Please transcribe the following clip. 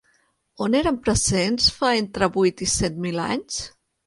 On eren presents fa entre vuit i set mil anys?